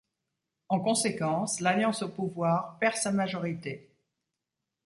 En conséquence, l'alliance au pouvoir perd sa majorité.